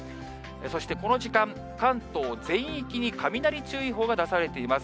そして、この時間、関東全域に雷注意報が出されています。